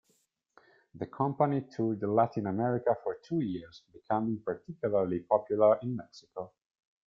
The company toured Latin America for two years, becoming particularly popular in Mexico.